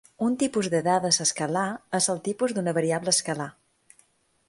Un tipus de dades escalar és el tipus d'una variable escalar.